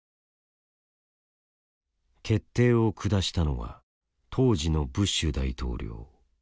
決定を下したのは当時のブッシュ大統領。